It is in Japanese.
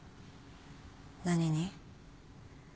何に？